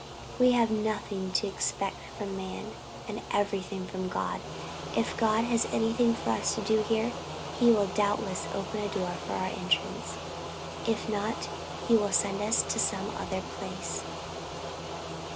We have nothing to expect from man, and everything from God.... If God has anything for us to do here, he will doubtless open a door for our entrance, if not he will send us to some other place."